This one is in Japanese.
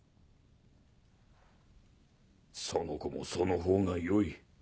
その子もそのほうが良い。